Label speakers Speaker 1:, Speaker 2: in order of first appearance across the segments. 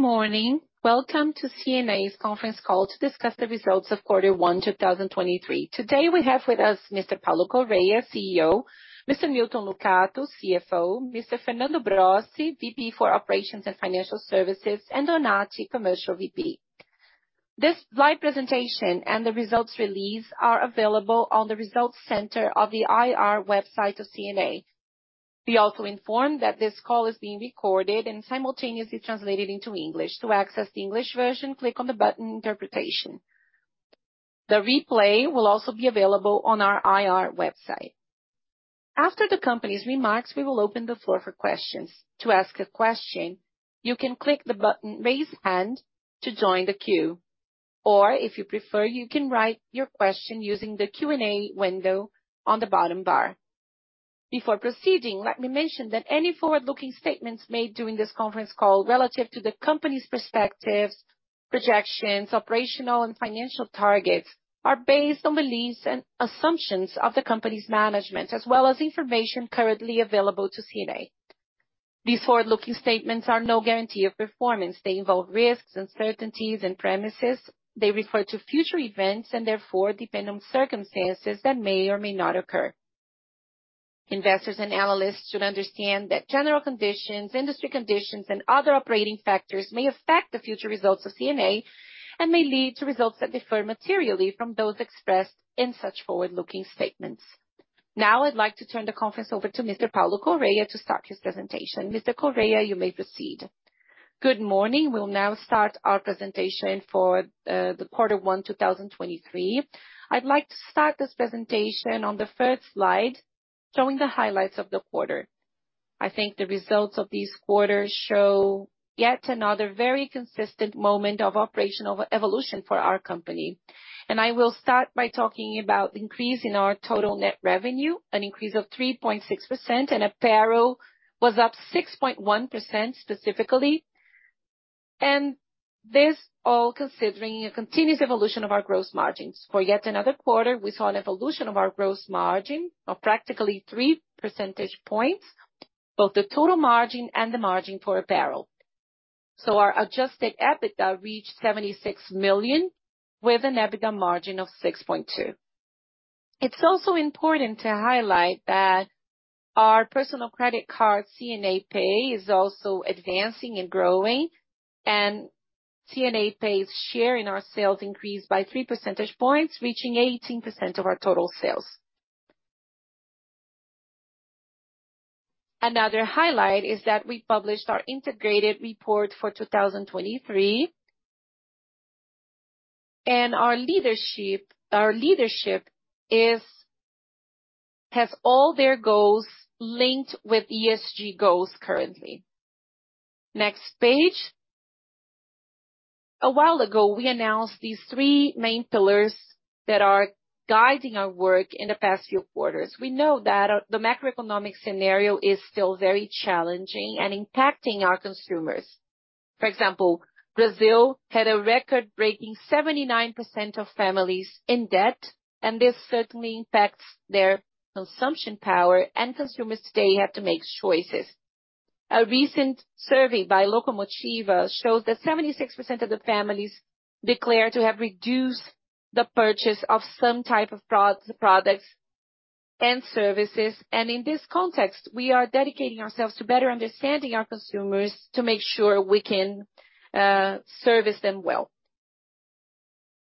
Speaker 1: Good morning. Welcome to C&A's conference call to discuss the results of quarter one 2023. Today we have with us Mr. Paulo Correa, CEO, Mr. Milton Lucato, CFO, Mr. Fernando Brossi, VP for Operations and Financial Services, and Donatti, Commercial VP. This live presentation and the results release are available on the results center of the IR website of C&A. We also inform that this call is being recorded and simultaneously translated into English. To access the English version, click on the button Interpretation. The replay will also be available on our IR website. After the company's remarks, we will open the floor for questions. To ask a question, you can click the button Raise Hand to join the queue, or if you prefer, you can write your question using the Q&A window on the bottom bar. Before proceeding, let me mention that any forward-looking statements made during this conference call relative to the company's perspectives, projections, operational, and financial targets are based on beliefs and assumptions of the company's management, as well as information currently available to C&A. These forward-looking statements are no guarantee of performance. They involve risks, uncertainties, and premises. They refer to future events and therefore depend on circumstances that may or may not occur. Investors and analysts should understand that general conditions, industry conditions, and other operating factors may affect the future results of C&A and may lead to results that differ materially from those expressed in such forward-looking statements. Now I'd like to turn the conference over to Mr. Paulo Correa to start his presentation. Mr. Correa, you may proceed.
Speaker 2: Good morning. We'll now start our presentation for the quarter one 2023. I'd like to start this presentation on the first slide, showing the highlights of the quarter. I think the results of this quarter show yet another very consistent moment of operational evolution for our company. I will start by talking about increase in our total net revenue, an increase of 3.6%, and apparel was up 6.1% specifically. This all considering a continuous evolution of our gross margins. For yet another quarter, we saw an evolution of our gross margin of practically 3 percentage points, both the total margin and the margin for apparel. Our adjusted EBITDA reached 76 million with an EBITDA margin of 6.2%. It's also important to highlight that our personal credit card, C&A Pay, is also advancing and growing, and C&A Pay's share in our sales increased by 3 percentage points, reaching 18% of our total sales. Another highlight is that we published our integrated report for 2023. Our leadership has all their goals linked with ESG goals currently. Next page. A while ago, we announced these three main pillars that are guiding our work in the past few quarters. We know that the macroeconomic scenario is still very challenging and impacting our consumers. For example, Brazil had a record-breaking 79% of families in debt, and this certainly impacts their consumption power, and consumers today have to make choices. A recent survey by Locomotiva shows that 76% of the families declare to have reduced the purchase of some type of products and services. In this context, we are dedicating ourselves to better understanding our consumers to make sure we can service them well.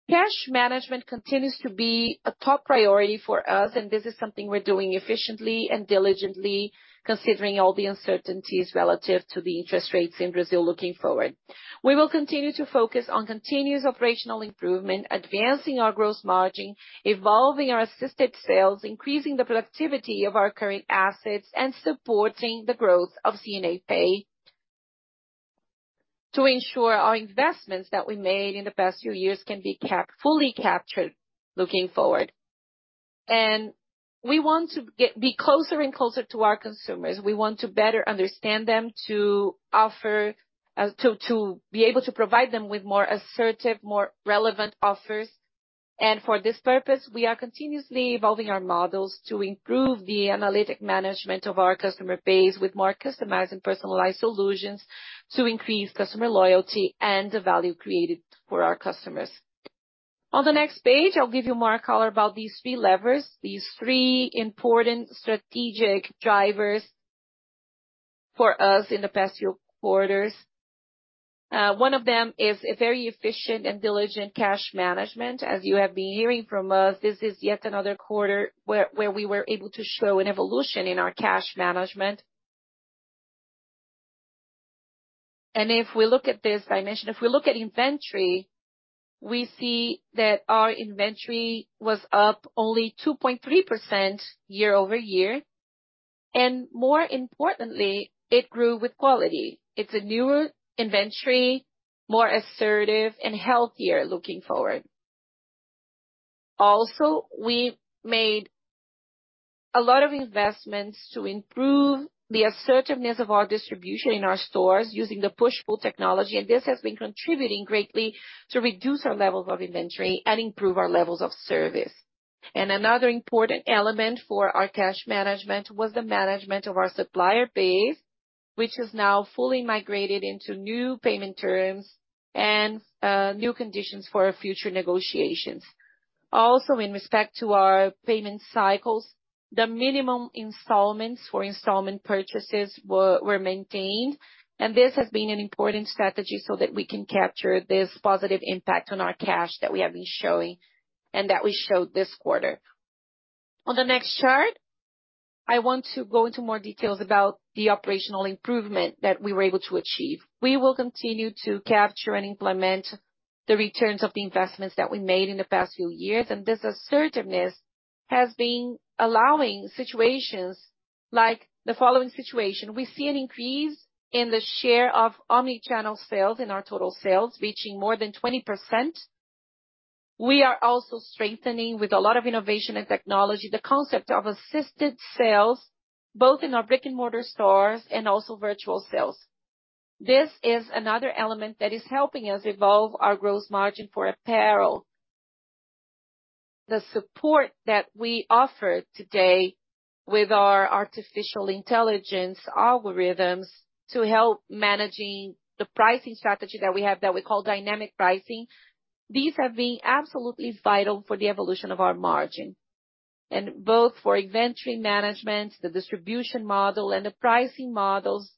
Speaker 2: Cash management continues to be a top priority for us, and this is something we're doing efficiently and diligently, considering all the uncertainties relative to the interest rates in Brazil looking forward. We will continue to focus on continuous operational improvement, advancing our gross margin, evolving our assisted sales, increasing the productivity of our current assets, and supporting the growth of C&A Pay to ensure our investments that we made in the past few years can be fully captured looking forward. We want to be closer and closer to our consumers. We want to better understand them, to offer, to be able to provide them with more assertive, more relevant offers. For this purpose, we are continuously evolving our models to improve the analytic management of our customer base with more customized and personalized solutions to increase customer loyalty and the value created for our customers. On the next page, I'll give you more color about these three levers, these three important strategic drivers for us in the past few quarters. One of them is a very efficient and diligent cash management. As you have been hearing from us, this is yet another quarter where we were able to show an evolution in our cash management. If we look at this dimension, if we look at inventory, we see that our inventory was up only 2.3% year-over-year. More importantly, it grew with quality. It's a newer inventory, more assertive and healthier looking forward. We made a lot of investments to improve the assertiveness of our distribution in our stores using the push-pull technology, and this has been contributing greatly to reduce our levels of inventory and improve our levels of service. Another important element for our cash management was the management of our supplier base, which is now fully migrated into new payment terms and new conditions for our future negotiations. In respect to our payment cycles, the minimum installments for installment purchases were maintained. This has been an important strategy so that we can capture this positive impact on our cash that we have been showing and that we showed this quarter. On the next chart, I want to go into more details about the operational improvement that we were able to achieve. We will continue to capture and implement the returns of the investments that we made in the past few years. This assertiveness has been allowing situations like the following situation. We see an increase in the share of omnichannel sales in our total sales reaching more than 20%. We are also strengthening, with a lot of innovation and technology, the concept of assisted sales, both in our brick-and-mortar stores and also virtual sales. This is another element that is helping us evolve our gross margin for apparel. The support that we offer today with our artificial intelligence algorithms to help managing the pricing strategy that we have that we call dynamic pricing, these have been absolutely vital for the evolution of our margin. Both for inventory management, the distribution model, and the pricing models,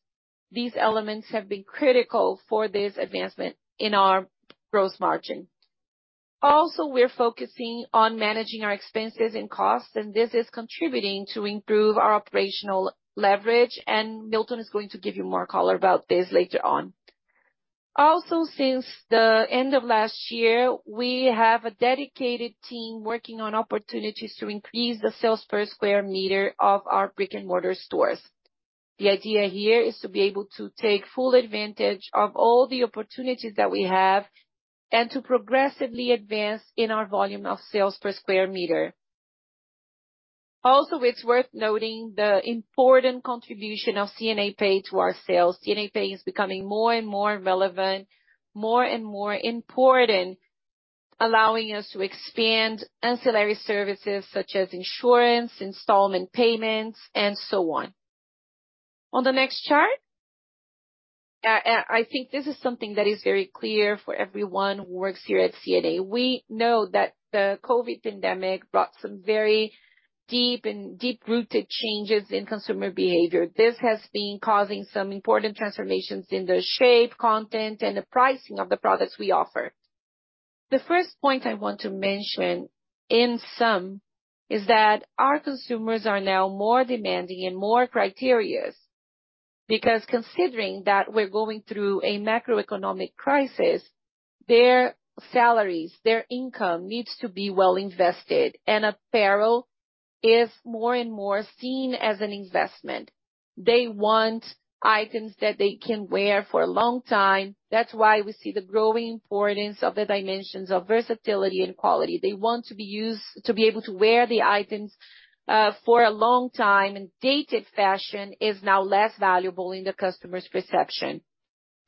Speaker 2: these elements have been critical for this advancement in our gross margin. Also, we're focusing on managing our expenses and costs, this is contributing to improve our operational leverage. Milton is going to give you more color about this later on. Also, since the end of last year, we have a dedicated team working on opportunities to increase the sales per square meter of our brick-and-mortar stores. The idea here is to be able to take full advantage of all the opportunities that we have and to progressively advance in our volume of sales per square meter. Also, it's worth noting the important contribution of C&A Pay to our sales. C&A Pay is becoming more and more relevant, more and more important, allowing us to expand ancillary services such as insurance, installment payments, and so on. On the next chart. I think this is something that is very clear for everyone who works here at C&A. We know that the COVID pandemic brought some very deep and deep-rooted changes in consumer behavior. This has been causing some important transformations in the shape, content, and the pricing of the products we offer. The first point I want to mention, in sum, is that our consumers are now more demanding and more criterious, because considering that we're going through a macroeconomic crisis, their salaries, their income needs to be well invested. Apparel is more and more seen as an investment. They want items that they can wear for a long time. That's why we see the growing importance of the dimensions of versatility and quality. They want to be able to wear the items, for a long time. Dated fashion is now less valuable in the customer's perception.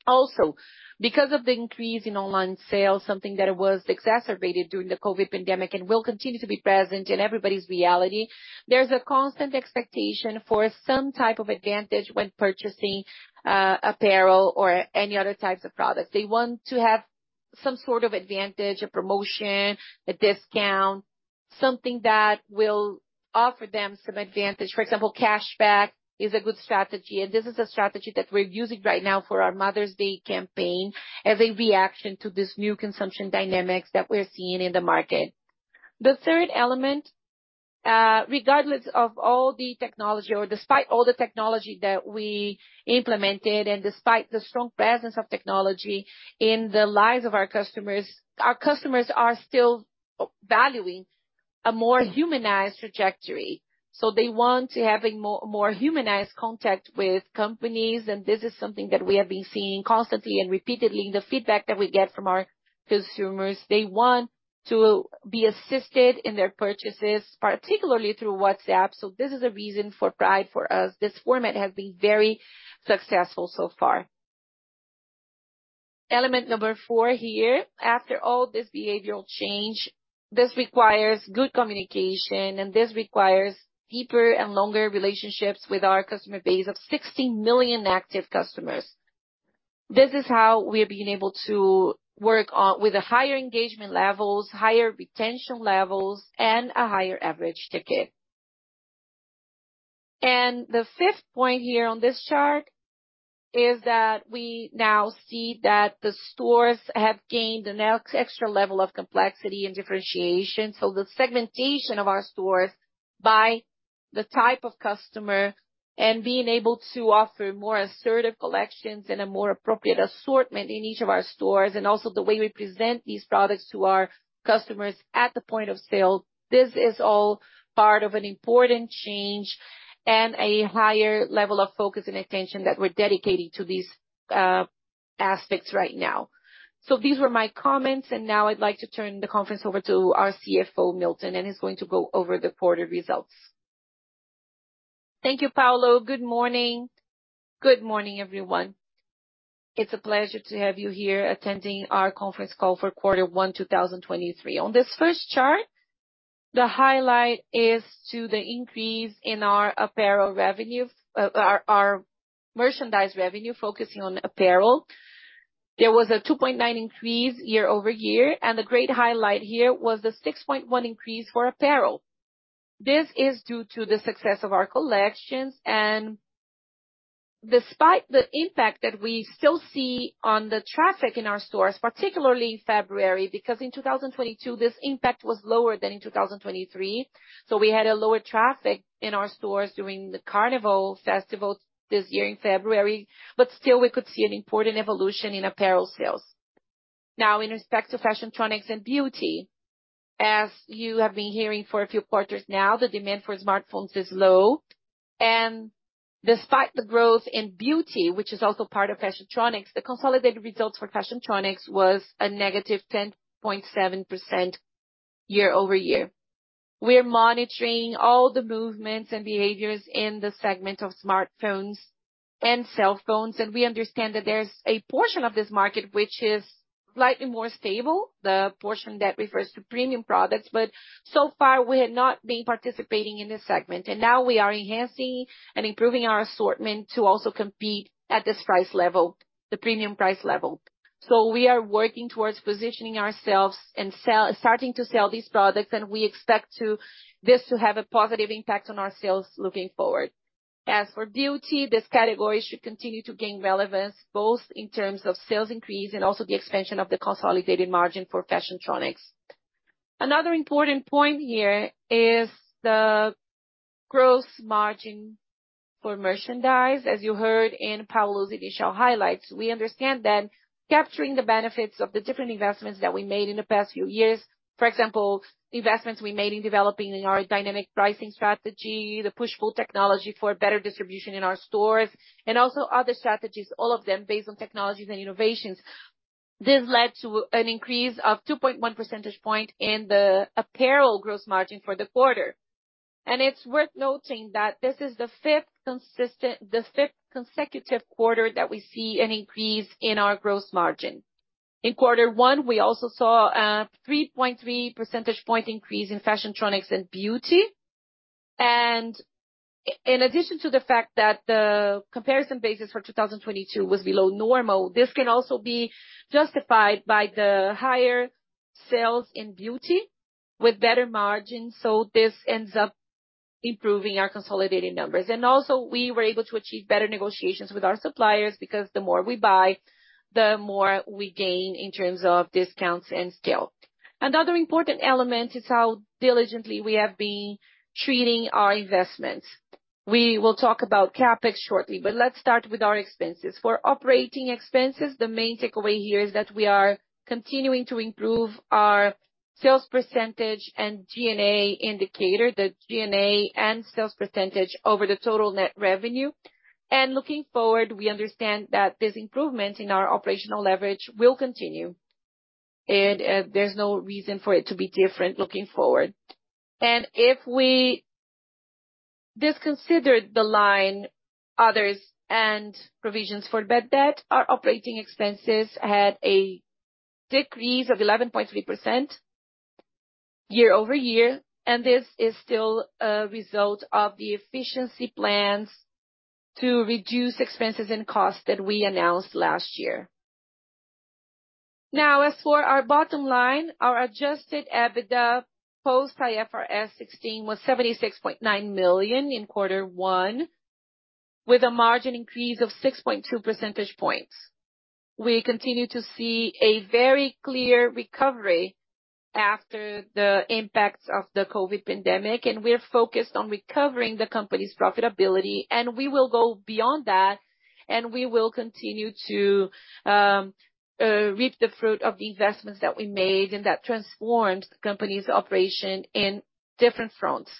Speaker 2: Also, because of the increase in online sales, something that was exacerbated during the COVID pandemic and will continue to be present in everybody's reality, there's a constant expectation for some type of advantage when purchasing apparel or any other types of products. They want to have some sort of advantage, a promotion, a discount, something that will offer them some advantage. For example, cashback is a good strategy. This is a strategy that we're using right now for our Mother's Day campaign as a reaction to this new consumption dynamics that we're seeing in the market. The third element, regardless of all the technology or despite all the technology that we implemented, and despite the strong presence of technology in the lives of our customers, our customers are still valuing a more humanized trajectory. They want to have a more humanized contact with companies, and this is something that we have been seeing constantly and repeatedly in the feedback that we get from our consumers. They want to be assisted in their purchases, particularly through WhatsApp. This is a reason for pride for us. This format has been very successful so far. Element number four here. After all this behavioral change, this requires good communication, and this requires deeper and longer relationships with our customer base of 60 million active customers. This is how we've been able to work with a higher engagement levels, higher retention levels, and a higher average ticket. The fifth point here on this chart is that we now see that the stores have gained an extra level of complexity and differentiation. The segmentation of our stores by the type of customer and being able to offer more assertive collections and a more appropriate assortment in each of our stores, and also the way we present these products to our customers at the point of sale, this is all part of an important change and a higher level of focus and attention that we're dedicating to these aspects right now. These were my comments, and now I'd like to turn the conference over to our CFO, Milton, and he's going to go over the quarter results.
Speaker 3: Thank you, Paulo. Good morning. Good morning, everyone. It's a pleasure to have you here attending our conference call for quarter one 2023. On this first chart, the highlight is to the increase in our apparel revenue, our merchandise revenue focusing on apparel. There was a 2.9% increase year-over-year. The great highlight here was the 6.1% increase for apparel. This is due to the success of our collections despite the impact that we still see on the traffic in our stores, particularly in February, because in 2022, this impact was lower than in 2023. We had a lower traffic in our stores during the Carnival Festival this year in February, still we could see an important evolution in apparel sales. In respect to Fashiontronics and Beauty, as you have been hearing for a few quarters now, the demand for smartphones is low. Despite the growth in Beauty, which is also part of Fashiontronics, the consolidated results for Fashiontronics was a -10.7% year-over-year. We are monitoring all the movements and behaviors in the segment of smartphones and cell phones, and we understand that there's a portion of this market which is slightly more stable. The portion that refers to premium products. So far, we had not been participating in this segment, and now we are enhancing and improving our assortment to also compete at this price level, the premium price level. We are working towards positioning ourselves and starting to sell these products, and we expect this to have a positive impact on our sales looking forward. As for Beauty, this category should continue to gain relevance, both in terms of sales increase and also the expansion of the consolidated margin for Fashiontronics. Another important point here is the gross margin for merchandise. As you heard in Paulo's initial highlights, we understand that capturing the benefits of the different investments that we made in the past few years. For example, investments we made in developing our dynamic pricing strategy, the push-pull technology for better distribution in our stores, and also other strategies, all of them based on technologies and innovations. This led to an increase of 2.1 percentage point in the apparel gross margin for the quarter. It's worth noting that this is the fifth consecutive quarter that we see an increase in our gross margin. In quarter one, we also saw a 3.3 percentage point increase in Fashiontronics and Beauty. In addition to the fact that the comparison basis for 2022 was below normal, this can also be justified by the higher sales in Beauty with better margins. This ends up improving our consolidated numbers. Also, we were able to achieve better negotiations with our suppliers because the more we buy, the more we gain in terms of discounts and scale. Another important element is how diligently we have been treating our investments. We will talk about CapEx shortly, but let's start with our expenses. For operating expenses, the main takeaway here is that we are continuing to improve our sales percentage and G&A indicator, the G&A and sales percentage over the total net revenue. Looking forward, we understand that this improvement in our operational leverage will continue. There's no reason for it to be different looking forward. If we disconsider the line others and provisions for bad debt, our operating expenses had a decrease of 11.3% year-over-year. This is still a result of the efficiency plans to reduce expenses and costs that we announced last year. Now, as for our bottom line, our adjusted EBITDA post-IFRS 16 was 76.9 million in quarter one, with a margin increase of 6.2 percentage points. We continue to see a very clear recovery after the impacts of the COVID pandemic. We're focused on recovering the company's profitability, and we will go beyond that, and we will continue to reap the fruit of the investments that we made and that transformed the company's operation in different fronts.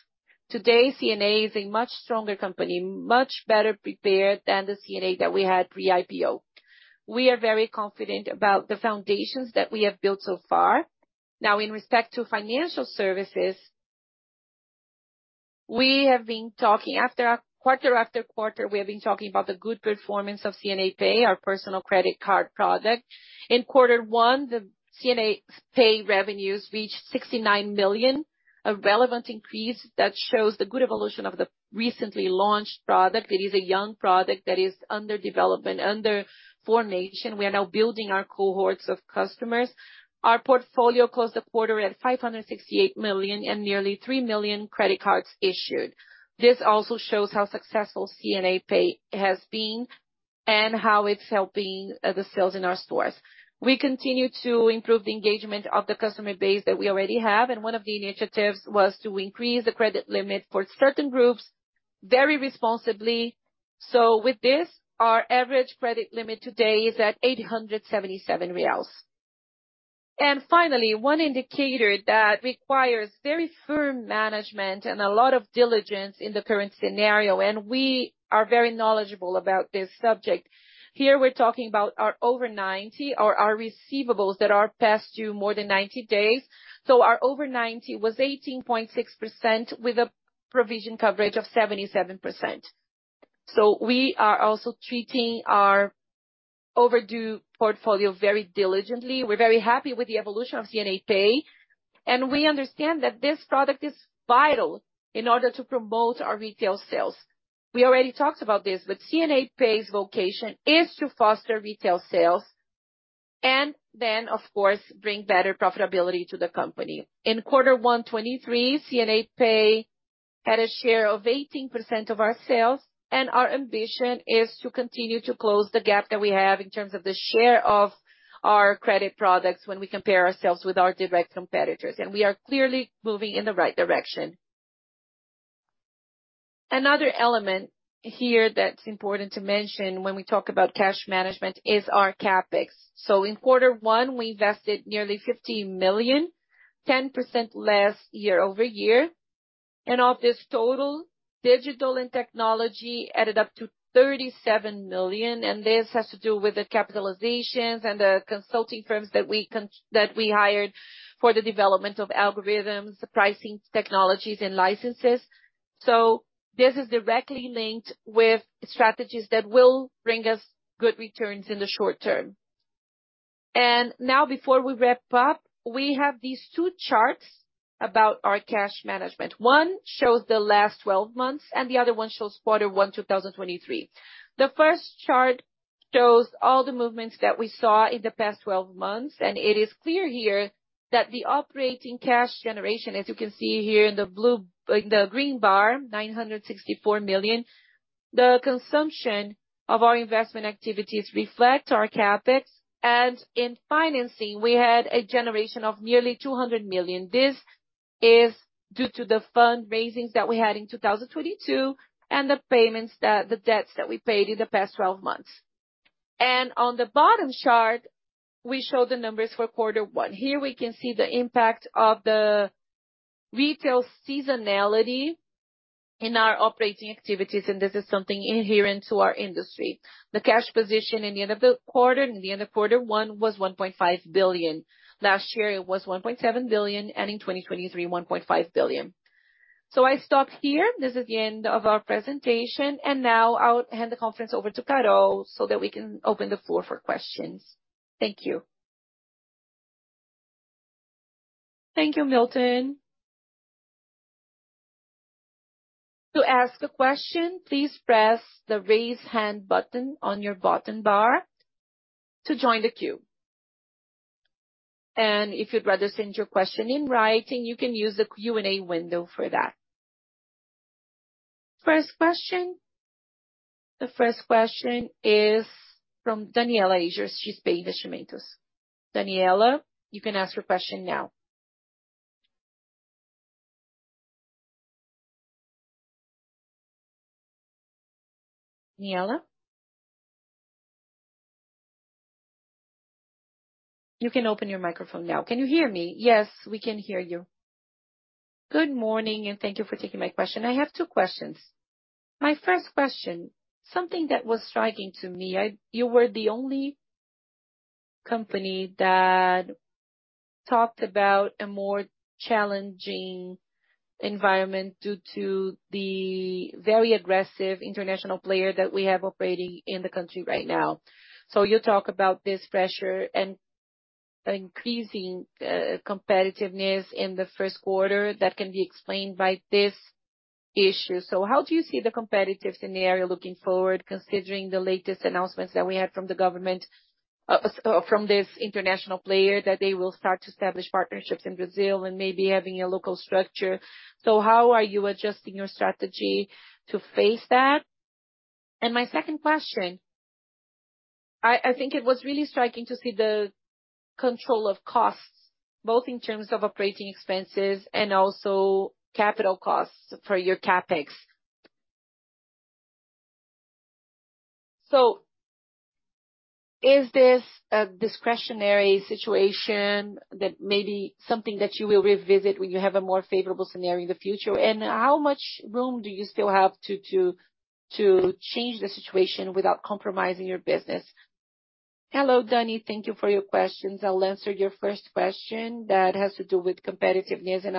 Speaker 3: Today, C&A is a much stronger company, much better prepared than the C&A that we had pre-IPO. We are very confident about the foundations that we have built so far. In respect to financial services, we have been talking quarter after quarter about the good performance of C&A Pay, our personal credit card product. In quarter one, the C&A Pay revenues reached 69 million, a relevant increase that shows the good evolution of the recently launched product. It is a young product that is under development, under formation. We are now building our cohorts of customers. Our portfolio closed the quarter at 568 million and nearly 3 million credit cards issued. This also shows how successful C&A Pay has been and how it's helping the sales in our stores. We continue to improve the engagement of the customer base that we already have, and one of the initiatives was to increase the credit limit for certain groups very responsibly. With this, our average credit limit today is at BRL 877. Finally, one indicator that requires very firm management and a lot of diligence in the current scenario, and we are very knowledgeable about this subject. Here, we're talking about our over 90 or our receivables that are past due more than 90 days. Our over 90 was 18.6% with a provision coverage of 77%. We are also treating our overdue portfolio very diligently. We're very happy with the evolution of C&A Pay, and we understand that this product is vital in order to promote our retail sales. We already talked about this, but C&A Pay's vocation is to foster retail sales and then, of course, bring better profitability to the company. In quarter one 2023, C&A Pay had a share of 18% of our sales, and our ambition is to continue to close the gap that we have in terms of the share of our credit products when we compare ourselves with our direct competitors. We are clearly moving in the right direction. Another element here that's important to mention when we talk about cash management is our CapEx. In quarter one, we invested nearly 50 million, 10% less year-over-year. Of this total, digital and technology added up to 37 million, and this has to do with the capitalizations and the consulting firms that we hired for the development of algorithms, the pricing technologies and licenses. This is directly linked with strategies that will bring us good returns in the short term. Now, before we wrap up, we have these two charts about our cash management. One shows the last 12 months, and the other one shows quarter one, 2023. The first chart shows all the movements that we saw in the past 12 months. It is clear here that the operating cash generation, as you can see here in the green bar, 964 million. The consumption of our investment activities reflect our CapEx. In financing, we had a generation of nearly 200 million. This is due to the fundraisings that we had in 2022 and the debts that we paid in the past 12 months. On the bottom chart, we show the numbers for quarter one. Here we can see the impact of the retail seasonality in our operating activities, and this is something inherent to our industry. The cash position in the end of the quarter, in the end of quarter one was 1.5 billion. Last year it was 1.7 billion, and in 2023, 1.5 billion. I stop here. This is the end of our presentation. Now I'll hand the conference over to Carol so that we can open the floor for questions. Thank you.
Speaker 1: Thank you, Milton.To ask a question, please press the Raise Hand button on your bottom bar to join the queue. If you'd rather send your question in writing, you can use the Q&A window for that. First question. The first question is from Danniela Eiger, XP Investimentos. Danniela, you can ask your question now. Danniela? You can open your microphone now.
Speaker 4: Can you hear me?
Speaker 1: Yes, we can hear you.
Speaker 4: Good morning, and thank you for taking my question. I have two questions. My first question, something that was striking to me. You were the only company that talked about a more challenging environment due to the very aggressive international player that we have operating in the country right now. You talk about this pressure and increasing competitiveness in the first quarter that can be explained by this issue. How do you see the competitives in the area looking forward considering the latest announcements that we had from the government, from this international player, that they will start to establish partnerships in Brazil and maybe having a local structure? How are you adjusting your strategy to face that? My second question. I think it was really striking to see the control of costs, both in terms of operating expenses and also capital costs for your CapEx. Is this a discretionary situation that may be something that you will revisit when you have a more favorable scenario in the future? How much room do you still have to change the situation without compromising your business?
Speaker 2: Hello, Danni. Thank you for your questions. I'll answer your first question that has to do with competitiveness, and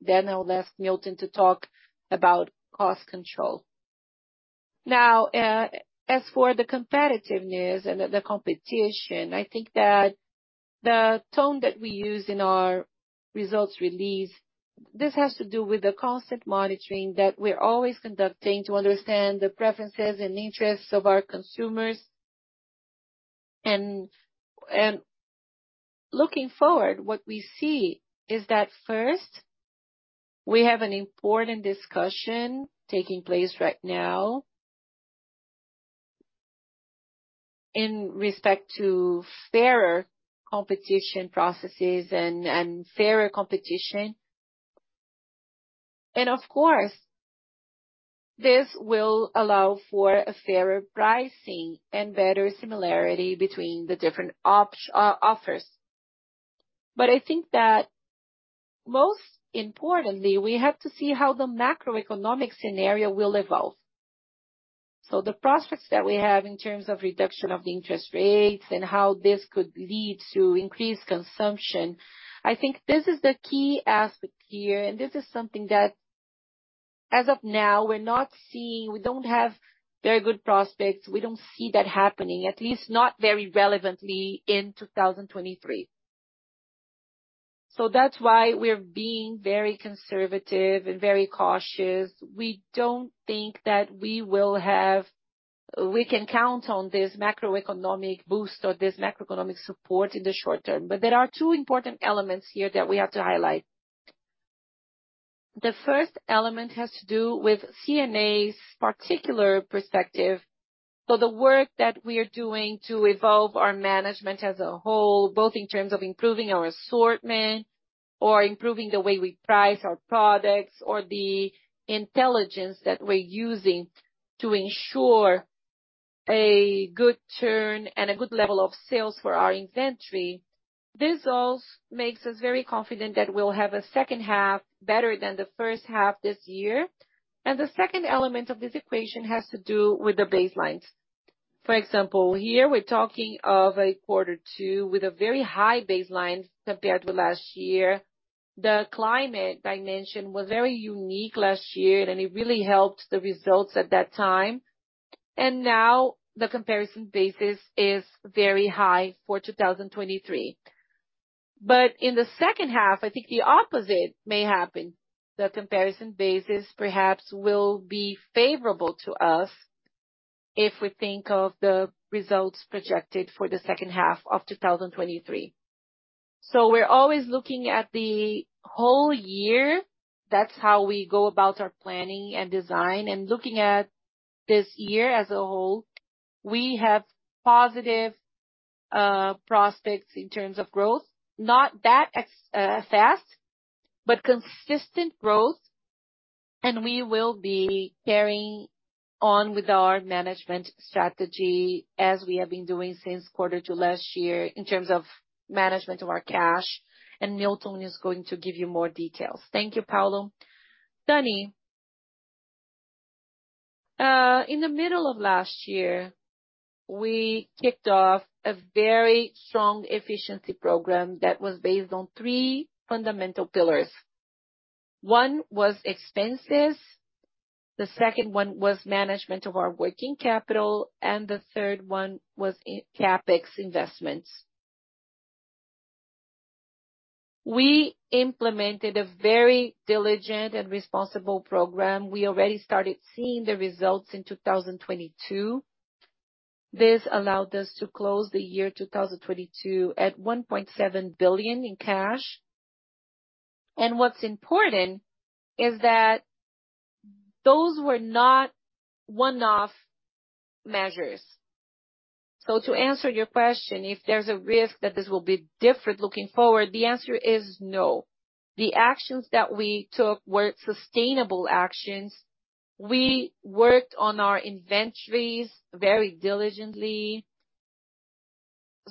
Speaker 2: then I'll ask Milton to talk about cost control. Now, as for the competitiveness and the competition, I think that the tone that we use in our results release, this has to do with the constant monitoring that we're always conducting to understand the preferences and interests of our consumers. Looking forward, what we see is that first, we have an important discussion taking place right now in respect to fairer competition processes and fairer competition. Of course, this will allow for a fairer pricing and better similarity between the different offers. I think that most importantly, we have to see how the macroeconomic scenario will evolve. The prospects that we have in terms of reduction of the interest rates and how this could lead to increased consumption, I think this is the key aspect here. This is something that as of now, we're not seeing. We don't have very good prospects. We don't see that happening, at least not very relevantly in 2023. That's why we're being very conservative and very cautious. We don't think that we can count on this macroeconomic boost or this macroeconomic support in the short term. There are two important elements here that we have to highlight. The first element has to do with C&A's particular perspective. The work that we are doing to evolve our management as a whole, both in terms of improving our assortment or improving the way we price our products or the intelligence that we're using to ensure a good turn and a good level of sales for our inventory. This also makes us very confident that we'll have a second half better than the first half this year. The second element of this equation has to do with the baselines. For example, here we're talking of a quarter two with a very high baseline compared with last year. The climate dimension was very unique last year, and it really helped the results at that time. Now the comparison basis is very high for 2023. In the second half, I think the opposite may happen. The comparison basis perhaps will be favorable to us if we think of the results projected for the second half of 2023. We're always looking at the whole year. That's how we go about our planning and design. Looking at this year as a whole, we have positive prospects in terms of growth. Not that fast, but consistent growth. We will be carrying on with our management strategy as we have been doing since quarter two last year in terms of management of our cash. Milton is going to give you more details.
Speaker 3: Thank you, Paulo. Danni. In the middle of last year, we kicked off a very strong efficiency program that was based on three fundamental pillars. One was expenses, the second one was management of our working capital, and the third one was CapEx investments. We implemented a very diligent and responsible program. We already started seeing the results in 2022. This allowed us to close the year 2022 at 1.7 billion in cash. What's important is that those were not one-off measures. To answer your question, if there's a risk that this will be different looking forward, the answer is no. The actions that we took were sustainable actions. We worked on our inventories very diligently.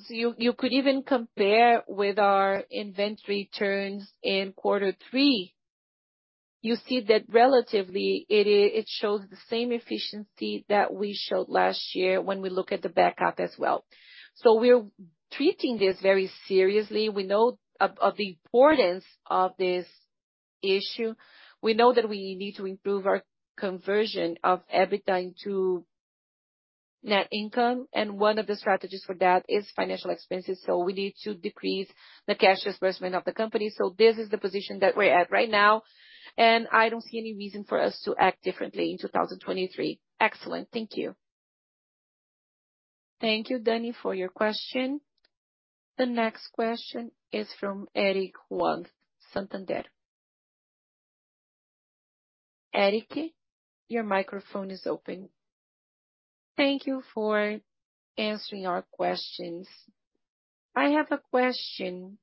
Speaker 3: You could even compare with our inventory turns in quarter three. You see that relatively it shows the same efficiency that we showed last year when we look at the backup as well. We're treating this very seriously. We know of the importance of this issue. We know that we need to improve our conversion of EBITDA into net income. One of the strategies for that is financial expenses. We need to decrease the cash disbursement of the company. This is the position that we're at right now, and I don't see any reason for us to act differently in 2023.
Speaker 4: Excellent. Thank you.
Speaker 1: Thank you, Danni, for your question. The next question is from Eric Huang, Santander. Eric, your microphone is open.
Speaker 5: Thank you for answering our questions. I have a question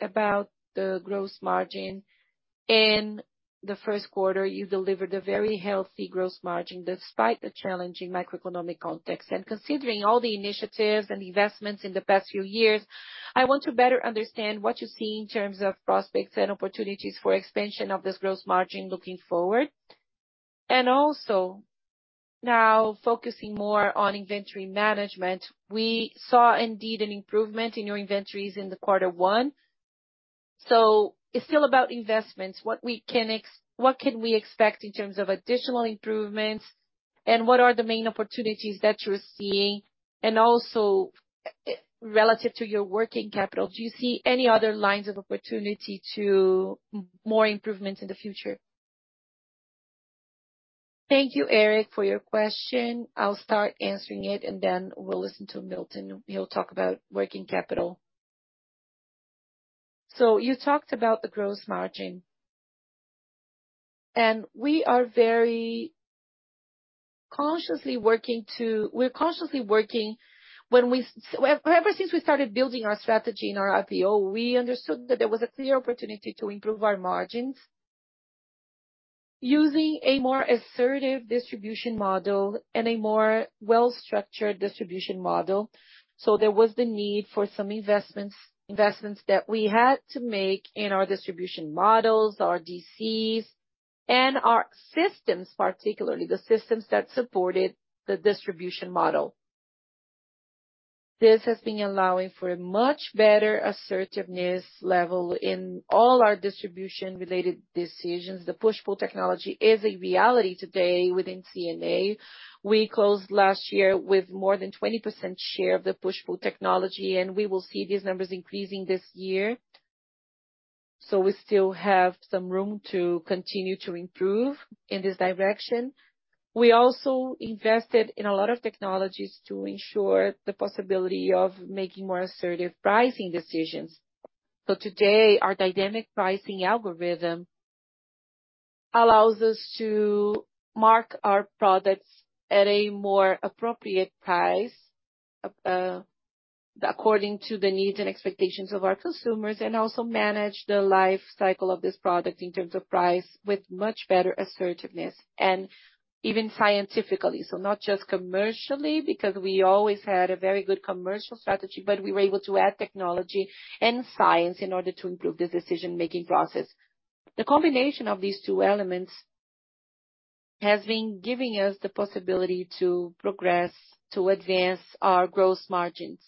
Speaker 5: about the gross margin. In the first quarter, you delivered a very healthy gross margin despite the challenging macroeconomic context. Considering all the initiatives and investments in the past few years, I want to better understand what you see in terms of prospects and opportunities for expansion of this gross margin looking forward. Now focusing more on inventory management. We saw indeed an improvement in your inventories in the quarter one. It's still about investments. What can we expect in terms of additional improvements and what are the main opportunities that you're seeing? Also relative to your working capital, do you see any other lines of opportunity to more improvements in the future?
Speaker 2: Thank you, Eric, for your question. I'll start answering it, then we'll listen to Milton. He'll talk about working capital. You talked about the gross margin, and we are very consciously working. Ever since we started building our strategy in our IPO, we understood that there was a clear opportunity to improve our margins using a more assertive distribution model and a more well-structured distribution model. There was the need for some investments that we had to make in our distribution models, our DCs and our systems, particularly the systems that supported the distribution model. This has been allowing for a much better assertiveness level in all our distribution related decisions. The push-pull technology is a reality today within C&A. We closed last year with more than 20% share of the push-pull technology, and we will see these numbers increasing this year. We still have some room to continue to improve in this direction. We also invested in a lot of technologies to ensure the possibility of making more assertive pricing decisions. Today, our dynamic pricing algorithm allows us to mark our products at a more appropriate price, according to the needs and expectations of our consumers, and also manage the life cycle of this product in terms of price with much better assertiveness and even scientifically. Not just commercially, because we always had a very good commercial strategy, but we were able to add technology and science in order to improve this decision making process. The combination of these two elements has been giving us the possibility to progress, to advance our gross margins.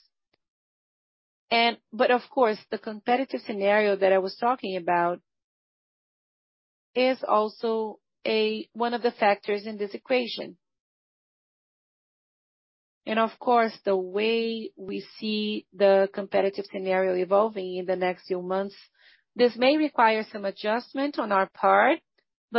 Speaker 2: Of course, the competitive scenario that I was talking about is also one of the factors in this equation. Of course, the way we see the competitive scenario evolving in the next few months, this may require some adjustment on our part,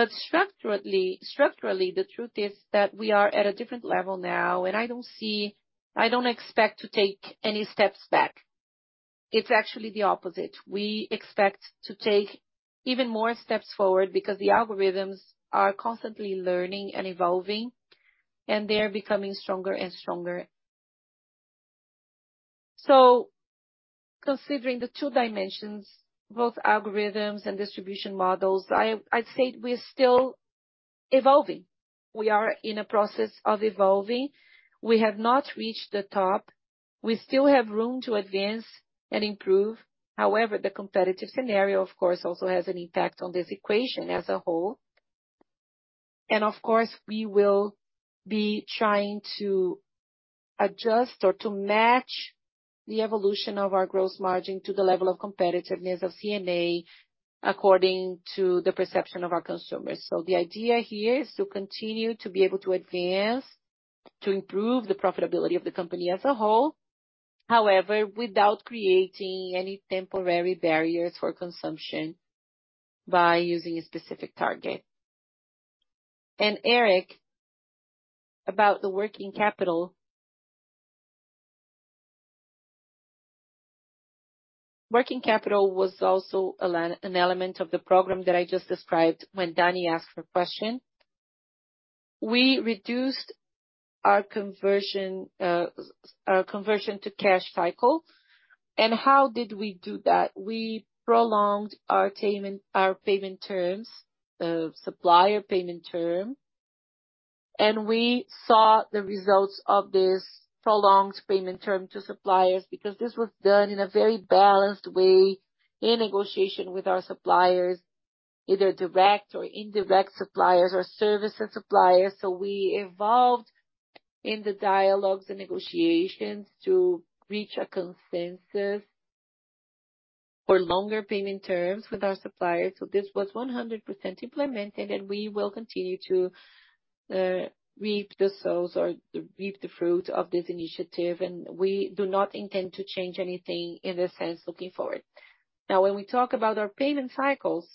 Speaker 2: structurally, the truth is that we are at a different level now. I don't see. I don't expect to take any steps back. It's actually the opposite. We expect to take even more steps forward because the algorithms are constantly learning and evolving, and they are becoming stronger and stronger. Considering the two dimensions, both algorithms and distribution models, I'd say we're still evolving. We are in a process of evolving. We have not reached the top. We still have room to advance and improve. The competitive scenario, of course, also has an impact on this equation as a whole. Of course, we will be trying to adjust or to match the evolution of our gross margin to the level of competitiveness of C&A according to the perception of our consumers. The idea here is to continue to be able to advance, to improve the profitability of the company as a whole, however, without creating any temporary barriers for consumption by using a specific target.
Speaker 3: Eric, about the working capital. Working capital was also an element of the program that I just described when Danni asked her question. We reduced our conversion to cash cycle. How did we do that? We prolonged our payment, our payment terms, supplier payment term. We saw the results of this prolonged payment term to suppliers because this was done in a very balanced way in negotiation with our suppliers, either direct or indirect suppliers or services suppliers. We evolved in the dialogues and negotiations to reach a consensus for longer payment terms with our suppliers. This was 100% implemented, and we will continue to reap the souls or reap the fruit of this initiative. We do not intend to change anything in this sense looking forward. When we talk about our payment cycles,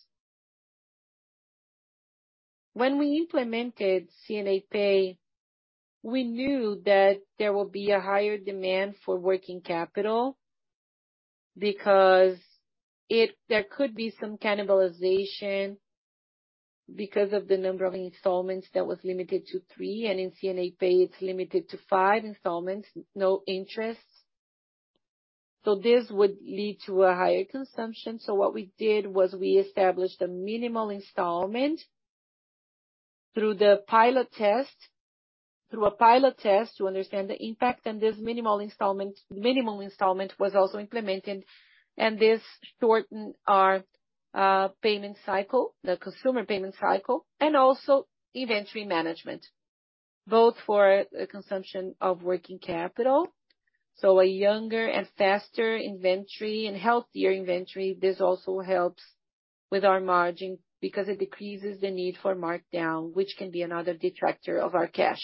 Speaker 3: when we implemented C&A Pay, we knew that there will be a higher demand for working capital because there could be some cannibalization because of the number of installments that was limited to three, and in C&A Pay, it's limited to five installments, no interest. This would lead to a higher consumption. What we did was we established a minimal installment through a pilot test to understand the impact. This minimal installment was also implemented, and this shortened our payment cycle, the consumer payment cycle, and also inventory management, both for the consumption of working capital. A younger and faster inventory and healthier inventory. This also helps with our margin because it decreases the need for markdown, which can be another detractor of our cash.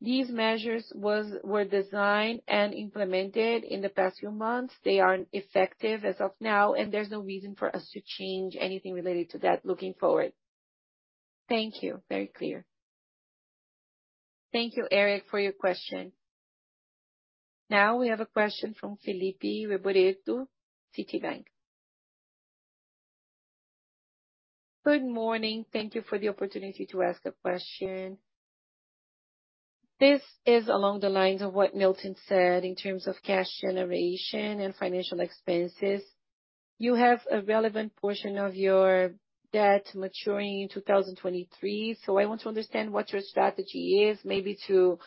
Speaker 3: These measures were designed and implemented in the past few months. They are effective as of now, and there's no reason for us to change anything related to that looking forward.
Speaker 5: Thank you. Very clear.
Speaker 1: Thank you, Eric, for your question. Now we have a question from Felipe Reboredo, Citibank.
Speaker 6: Good morning. Thank you for the opportunity to ask a question. This is along the lines of what Milton said in terms of cash generation and financial expenses. You have a relevant portion of your debt maturing in 2023. I want to understand what your strategy is maybe to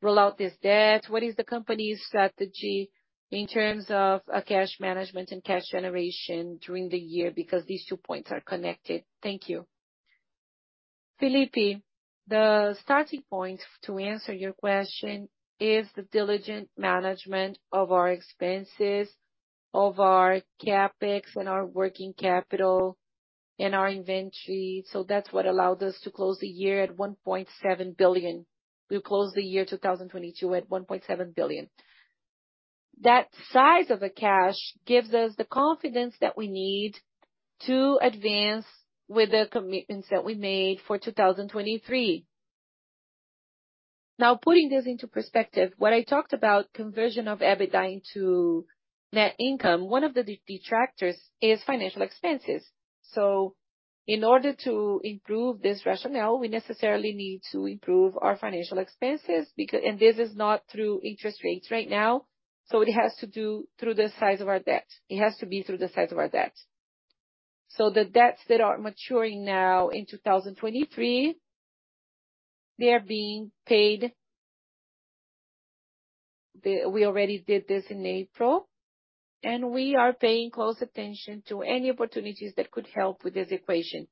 Speaker 6: roll out this debt. What is the company's strategy in terms of cash management and cash generation during the year? These two points are connected. Thank you.
Speaker 3: Felipe, the starting point to answer your question is the diligent management of our expenses, of our CapEx and our working capital and our inventory. That's what allowed us to close the year at 1.7 billion. We closed the year 2022 at 1.7 billion. That size of a cash gives us the confidence that we need to advance with the commitments that we made for 2023. Putting this into perspective, what I talked about conversion of EBITDA into net income, one of the detractors is financial expenses. In order to improve this rationale, we necessarily need to improve our financial expenses. This is not through interest rates right now. It has to do through the size of our debt. It has to be through the size of our debt. The debts that are maturing now in 2023, they are being paid. We already did this in April, and we are paying close attention to any opportunities that could help with this equation.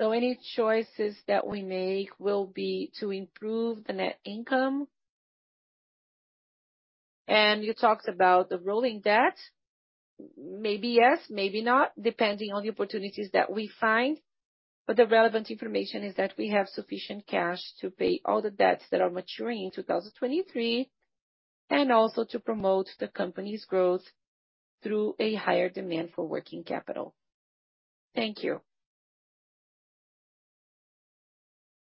Speaker 3: Any choices that we make will be to improve the net income. You talked about the rolling debt, maybe yes, maybe not, depending on the opportunities that we find. The relevant information is that we have sufficient cash to pay all the debts that are maturing in 2023, and also to promote the company's growth through a higher demand for working capital.
Speaker 6: Thank you.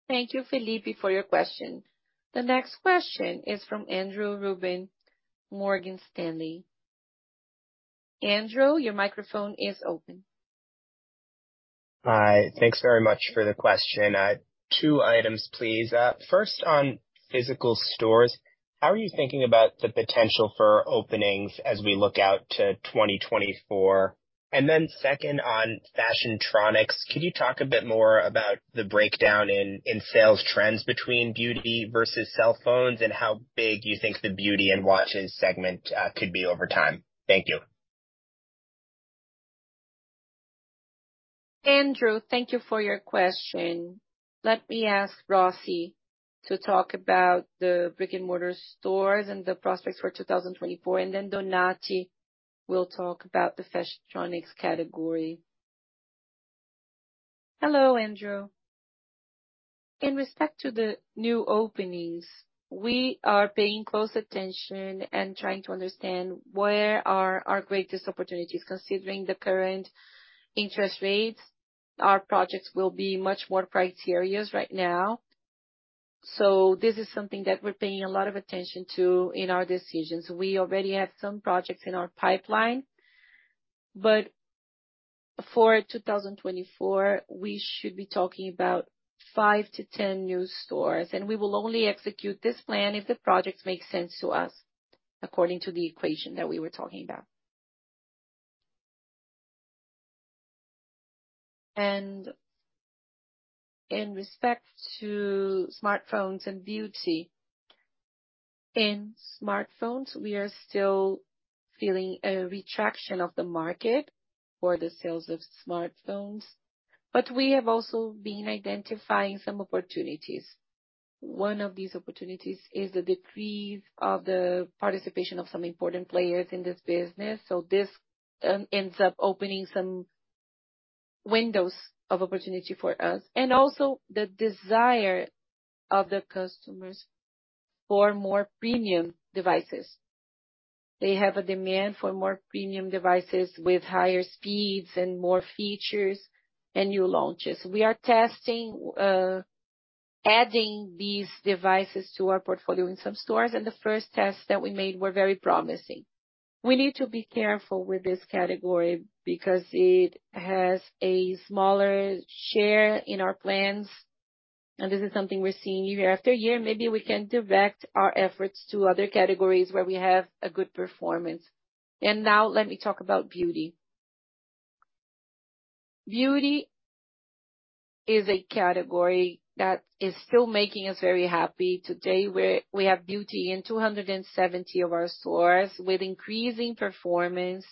Speaker 1: Thank you, Felipe, for your question. The next question is from Andrew Ruben, Morgan Stanley. Andrew, your microphone is open.
Speaker 7: Hi. Thanks very much for the question. Two items, please. First on physical stores, how are you thinking about the potential for openings as we look out to 2024? Second on Fashiontronics, could you talk a bit more about the breakdown in sales trends between Beauty versus cell phones, and how big do you think the Beauty and watches segment could be over time? Thank you.
Speaker 2: Andrew, thank you for your question. Let me ask Brossi to talk about the brick-and-mortar stores and the prospects for 2024, and then Donatti will talk about the Fashiontronics category.
Speaker 8: Hello, Andrew. In respect to the new openings, we are paying close attention and trying to understand where are our greatest opportunities. Considering the current interest rates, our projects will be much more criterious right now. This is something that we're paying a lot of attention to in our decisions. We already have some projects in our pipeline, for 2024, we should be talking about five to 10 new stores, and we will only execute this plan if the projects make sense to us according to the equation that we were talking about.
Speaker 9: In respect to smartphones and Beauty. In smartphones, we are still feeling a retraction of the market for the sales of smartphones. We have also been identifying some opportunities. One of these opportunities is the decrease of the participation of some important players in this business. This ends up opening some windows of opportunity for us and also the desire of the customers for more premium devices. They have a demand for more premium devices with higher speeds and more features and new launches. We are testing adding these devices to our portfolio in some stores. The first tests that we made were very promising. We need to be careful with this category because it has a smaller share in our plans. This is something we're seeing year after year. Maybe we can direct our efforts to other categories where we have a good performance. Now let me talk about Beauty. Beauty is a category that is still making us very happy. Today, we have Beauty in 270 of our stores with increasing performance.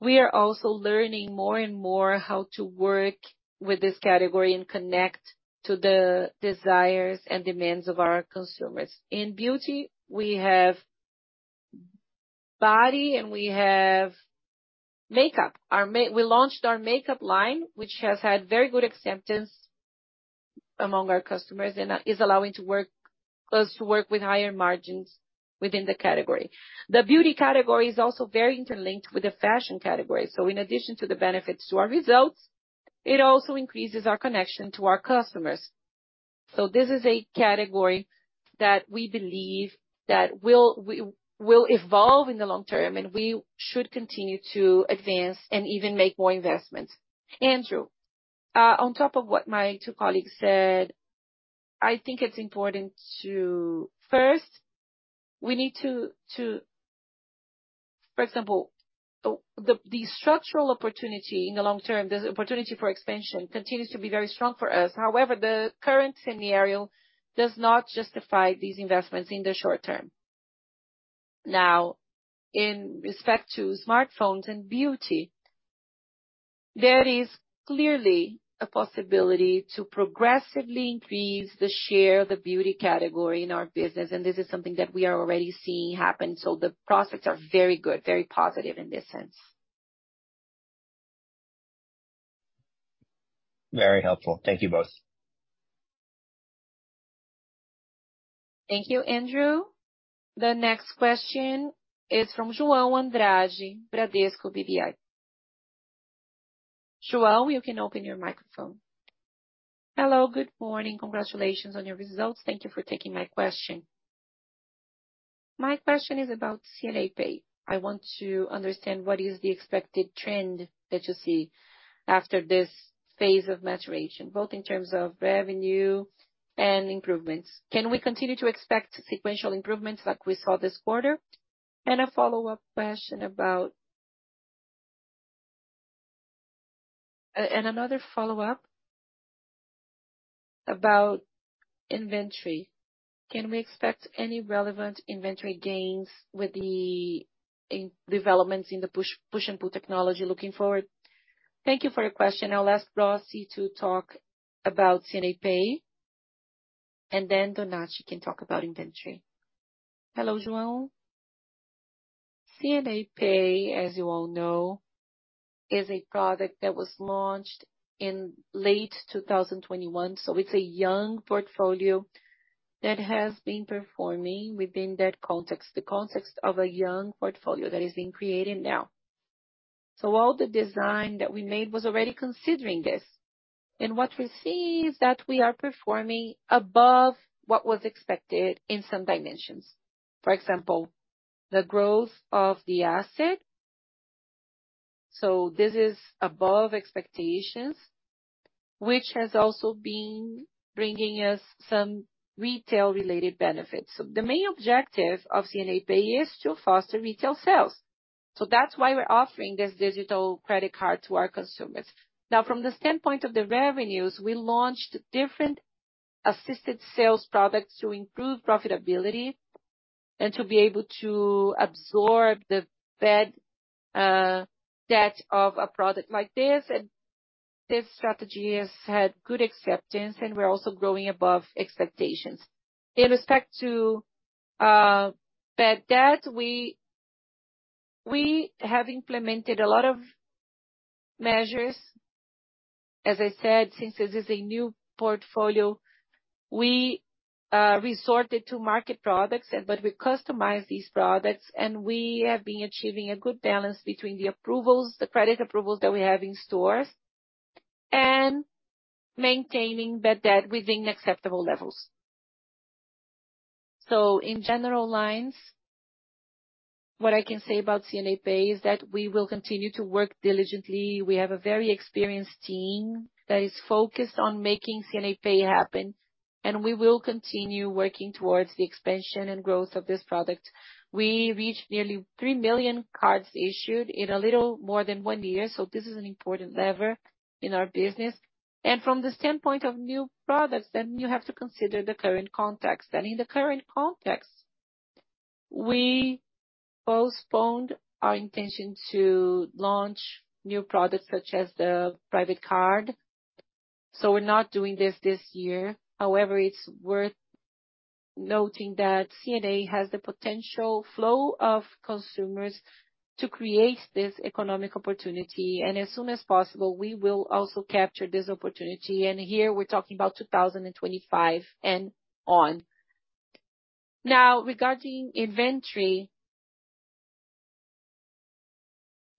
Speaker 9: We are also learning more and more how to work with this category and connect to the desires and demands of our consumers. In Beauty, we have body and we have makeup. We launched our makeup line, which has had very good acceptance among our customers and is allowing us to work with higher margins within the category. The Beauty category is also very interlinked with the fashion category. In addition to the benefits to our results, it also increases our connection to our customers. This is a category that we believe that will evolve in the long term, and we should continue to advance and even make more investments.
Speaker 2: Andrew, on top of what my two colleagues said, I think it's important to. First, we need to. For example, the structural opportunity in the long term, the opportunity for expansion continues to be very strong for us. However, the current scenario does not justify these investments in the short term. In respect to smartphones and Beauty, there is clearly a possibility to progressively increase the share of the Beauty category in our business, and this is something that we are already seeing happen. The prospects are very good, very positive in this sense.
Speaker 7: Very helpful. Thank you both.
Speaker 1: Thank you, Andrew. The next question is from João Andrade, Bradesco BBI. João, you can open your microphone.
Speaker 10: Hello, good morning. Congratulations on your results. Thank you for taking my question. My question is about C&A Pay. I want to understand what is the expected trend that you see after this phase of maturation, both in terms of revenue and improvements. Can we continue to expect sequential improvements like we saw this quarter? A follow-up question and another follow-up about inventory. Can we expect any relevant inventory gains with the developments in the push and pull technology looking forward?
Speaker 2: Thank you for your question. I'll ask Brossi to talk about C&A Pay, and then Donatti can talk about inventory.
Speaker 8: Hello, João. C&A Pay, as you all know, is a product that was launched in late 2021. It's a young portfolio that has been performing within that context, the context of a young portfolio that is being created now. All the design that we made was already considering this. What we see is that we are performing above what was expected in some dimensions. For example, the growth of the asset. This is above expectations, which has also been bringing us some retail-related benefits. The main objective of C&A Pay is to foster retail sales. That's why we're offering this digital credit card to our consumers. From the standpoint of the revenues, we launched different assisted sales products to improve profitability and to be able to absorb the bad debt of a product like this. This strategy has had good acceptance, and we're also growing above expectations. In respect to bad debt, we have implemented a lot of measures. As I said, since this is a new portfolio, we resorted to market products. We customize these products. We have been achieving a good balance between the approvals, the credit approvals that we have in stores and maintaining bad debt within acceptable levels. In general lines, what I can say about C&A Pay is that we will continue to work diligently. We have a very experienced team that is focused on making C&A Pay happen. We will continue working towards the expansion and growth of this product. We reached nearly 3 million cards issued in a little more than one year. This is an important lever in our business. From the standpoint of new products, then you have to consider the current context. In the current context, we postponed our intention to launch new products such as the private card. We're not doing this this year. However, it's worth noting that C&A has the potential flow of consumers to create this economic opportunity, and as soon as possible, we will also capture this opportunity. Here, we're talking about 2025 and on.
Speaker 9: Now, regarding inventory.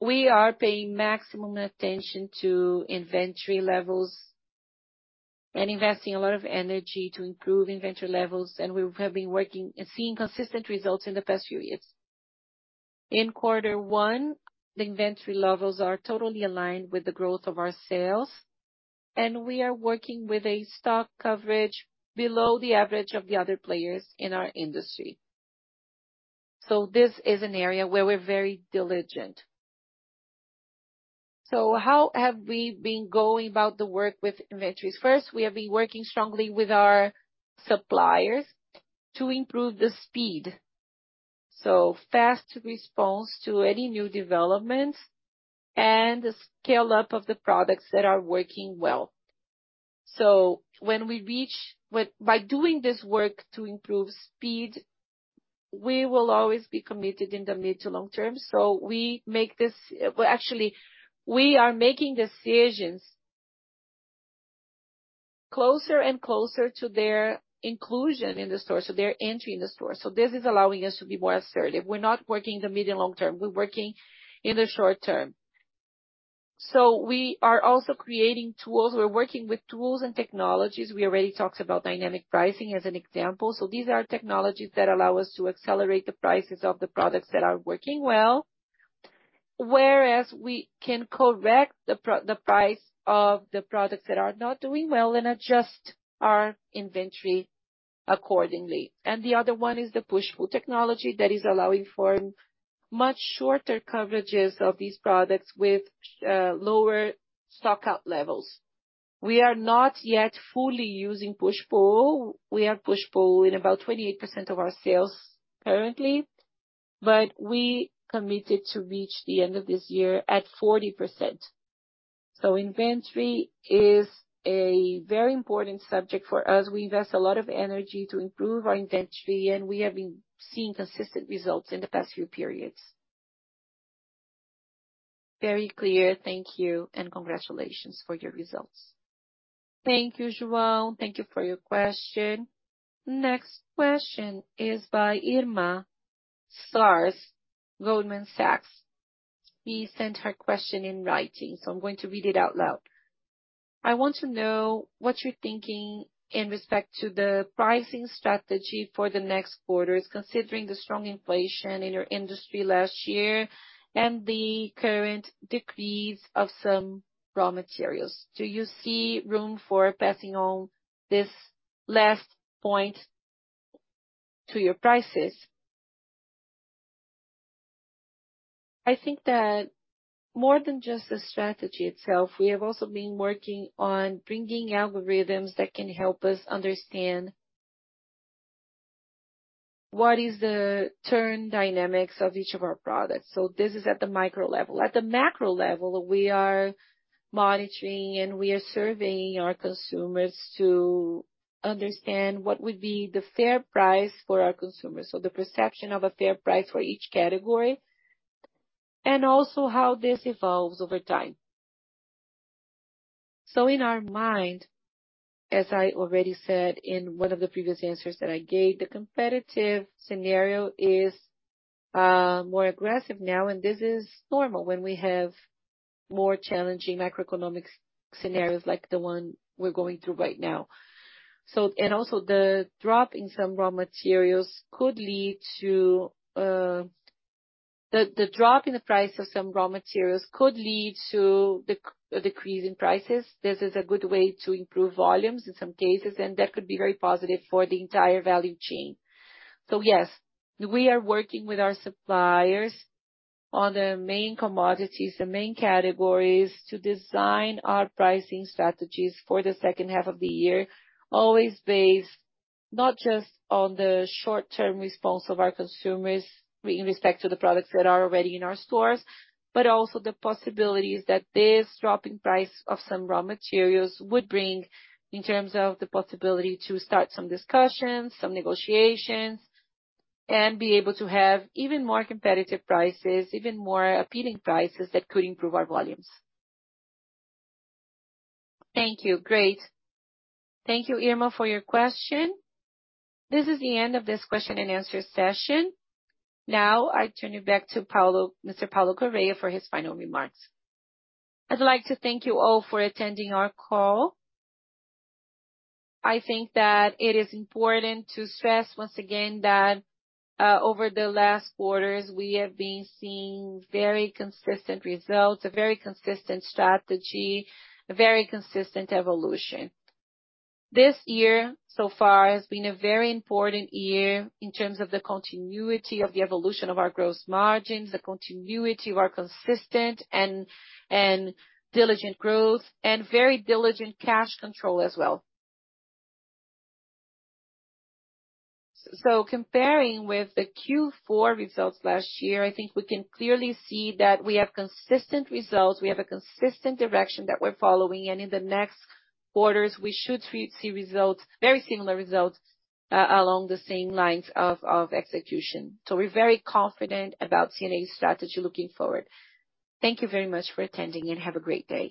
Speaker 9: We are paying maximum attention to inventory levels and investing a lot of energy to improve inventory levels, and we've been working and seeing consistent results in the past few years. In quarter one, the inventory levels are totally aligned with the growth of our sales. We are working with a stock coverage below the average of the other players in our industry. This is an area where we're very diligent. How have we been going about the work with inventories? First, we have been working strongly with our suppliers to improve the speed. Fast response to any new developments and the scale-up of the products that are working well. By doing this work to improve speed, we will always be committed in the mid to long term. Well, actually, we are making decisions closer and closer to their inclusion in the store, so they're entering the store. This is allowing us to be more assertive. We're not working in the medium long term. We're working in the short term. We are also creating tools. We're working with tools and technologies. We already talked about dynamic pricing as an example. These are technologies that allow us to accelerate the prices of the products that are working well, whereas we can correct the price of the products that are not doing well and adjust our inventory accordingly. The other one is the push-pull technology that is allowing for much shorter coverages of these products with lower stock-out levels. We are not yet fully using push pull. We have push pull in about 28% of our sales currently, but we committed to reach the end of this year at 40%. Inventory is a very important subject for us. We invest a lot of energy to improve our inventory, and we have been seeing consistent results in the past few periods.
Speaker 10: Very clear. Thank you, and congratulations for your results.
Speaker 1: Thank you, João. Thank you for your question. Next question is by Irma Sgarz, Goldman Sachs. She sent her question in writing, I'm going to read it out loud. I want to know what you're thinking in respect to the pricing strategy for the next quarters, considering the strong inflation in your industry last year and the current decrease of some raw materials. Do you see room for passing on this last point to your prices?
Speaker 2: I think that more than just the strategy itself, we have also been working on bringing algorithms that can help us understand what is the turn dynamics of each of our products. This is at the micro level. At the macro level, we are monitoring and we are surveying our consumers to understand what would be the fair price for our consumers. The perception of a fair price for each category, and also how this evolves over time. In our mind, as I already said in one of the previous answers that I gave, the competitive scenario is more aggressive now. This is normal when we have more challenging macroeconomic scenarios like the one we're going through right now. Also the drop in the price of some raw materials could lead to decrease in prices. This is a good way to improve volumes in some cases, and that could be very positive for the entire value chain. Yes, we are working with our suppliers on the main commodities, the main categories, to design our pricing strategies for the second half of the year. Always based, not just on the short-term response of our consumers in respect to the products that are already in our stores, but also the possibilities that this drop in price of some raw materials would bring in terms of the possibility to start some discussions, some negotiations, and be able to have even more competitive prices, even more appealing prices that could improve our volumes.
Speaker 1: Thank you. Great. Thank you, Irma, for your question. This is the end of this question and answer session. Now I turn you back to Paulo, Mr. Paulo Correa, for his final remarks.
Speaker 2: I'd like to thank you all for attending our call. I think that it is important to stress once again that over the last quarters, we have been seeing very consistent results, a very consistent strategy, a very consistent evolution. This year, so far, has been a very important year in terms of the continuity of the evolution of our gross margins, the continuity of our consistent and diligent growth, and very diligent cash control as well. So comparing with the Q4 results last year, I think we can clearly see that we have consistent results. We have a consistent direction that we're following. In the next quarters, we should see results, very similar results along the same lines of execution. We're very confident about C&A's strategy looking forward. Thank you very much for attending, and have a great day.